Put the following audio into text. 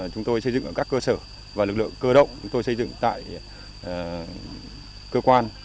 chúng tôi xây dựng ở các cơ sở và lực lượng cơ động chúng tôi xây dựng tại cơ quan